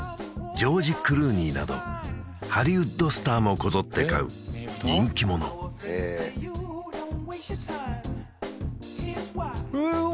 ジョージ・クルーニーなどハリウッドスターもこぞって飼う人気者えっおお